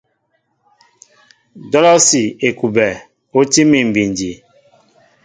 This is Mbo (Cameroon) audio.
Dolosi / Ekuɓɛ o tí mi bindi.